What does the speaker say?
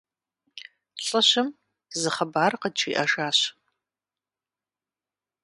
ЛӀыжьым зы хъыбар къыджиӀэжащ.